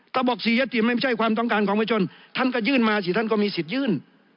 ถ้าบอกสี่ยติไม่ใช่ความต้องการของประชนท่านก็ยื่นมาสิท่านก็มีสิทธิ์ยื่น